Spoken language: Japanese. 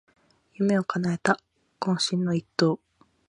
夢をかなえた懇親の一投